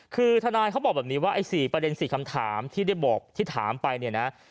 คือทนายเขาบอกแบบนี้ว่าไอ้๔ประเด็น๔คำถามที่ได้บอกที่ถามไปเนี่ยนะ